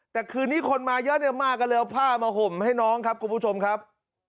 แต่คืนนี้คนมาเยอะมากก็เลยเอาผ้ามาห่มให้น้องครับคุณผู้ชมครับ